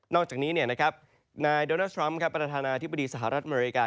นอกจากนี้นายดอนัสตรัมพ์ประธานาถิบดีสหราดอเมริกา